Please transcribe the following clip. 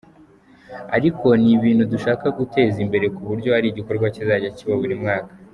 ariko ni ibintu dushaka guteza imbere kuburyo ari igikorwa kizajya kiba buri mwaka.